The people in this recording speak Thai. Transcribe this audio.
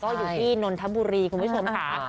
ก็อยู่ที่นนทบุรีคุณผู้ชมค่ะ